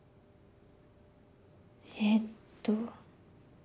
えっと。